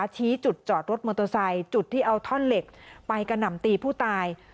ชี้จุดจอดรถมอเตอร์ไซค์จุดที่เอาท่อนเหล็กไปกระหน่ำตีผู้ตาย